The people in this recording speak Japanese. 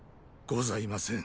ございません。